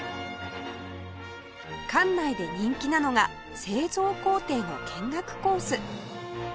館内で人気なのが製造工程の見学コース